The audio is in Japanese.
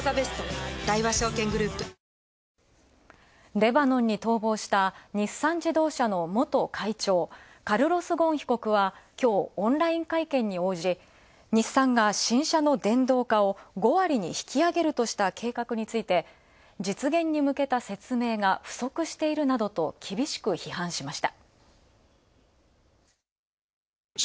レバノンに逃亡した日産自動車の元会長、カルロス・ゴーン被告は、きょうオンライン会見に応じ、日産が新車の電動化を５割に引き上げるとした計画について、実現に向けた説明が不足しているなどと、厳しく批判しました。